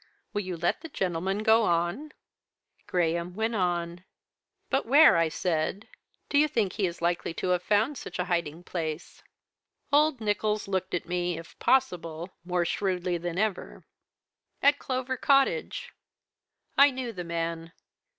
Will you let the gentleman go on?" Graham went on. "'But where,' I said, 'do you think he is likely to have found such a hiding place?' "Old Nicholls looked at me, if possible, more shrewdly than ever. "'At Clover Cottage. I knew the man.